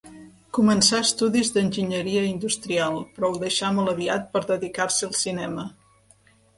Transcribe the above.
Començà estudis d'enginyeria industrial, però ho deixà molt aviat per dedicar-se al cinema.